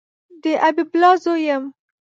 د حبیب الله زوی یم